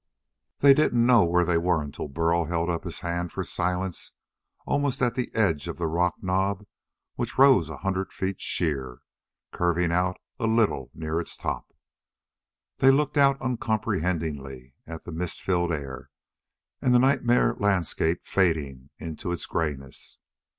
They didn't know where they were until Burl held up his hand for silence almost at the edge of the rock knob which rose a hundred feet sheer, curving out a little near its top. They looked out uncomprehendingly at the mist filled air and the nightmare landscape fading into its grayness.